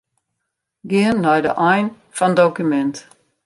Gean nei de ein fan dokumint.